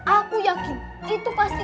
aku yakin itu pasti